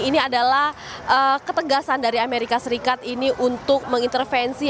ini adalah ketegasan dari amerika serikat ini untuk mengintervensi